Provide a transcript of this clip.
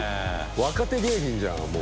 若手芸人じゃんもう。